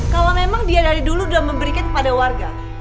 kalau memang dia dari dulu sudah memberikan kepada warga